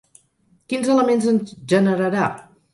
Quins elements ens generarà?